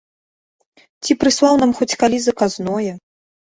Ці прыслаў нам хоць калі заказное.